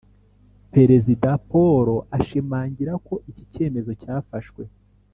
Perezida polo ashimangira ko iki cyemezo cyafashwe